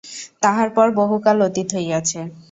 তাহার পর বহুকাল অতীত হইয়াছে।